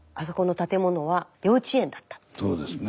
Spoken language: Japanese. そうですね。